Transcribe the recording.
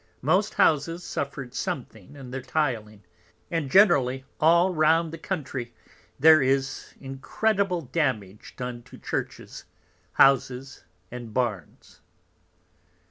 Most Houses suffered something in their Tiling, and generally all round the Country, there is incredible Damage done to Churches, Houses, and Barns.